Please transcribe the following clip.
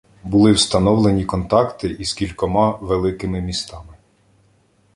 Були встановлені контакти із кількома великими містами.